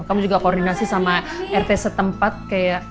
kamu juga koordinasi sama rt setempat kayak